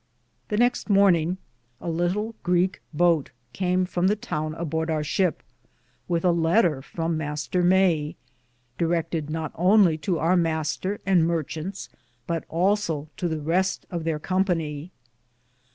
The nexte morninge a litle Greeke bote cam from the towne abord our shipe wythe a Letter from Mr. Maye, Direckted not onlye to our Mr. and marchantes, but also to the Reste of theyre companye.